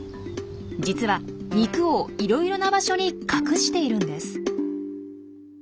実は肉をいろいろな場所に隠しているんです。